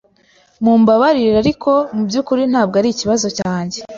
Mumbabarire, ariko mubyukuri ntabwo arikibazo cyanjye.